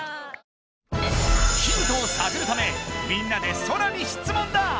ヒントをさぐるためみんなでソラに質問だ！